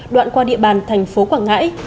đoạn qua địa bàn thành phố quảng ngãi